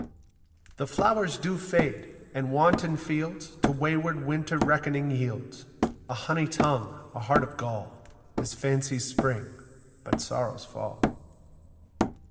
The flowers do fade ; and wanton fields To wayward winter reckoning yields : A honey tongue, a heart of gall, Is fancy's spring, but sorrow's fall.